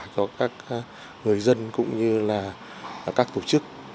cho các người dân cũng như là các tổ chức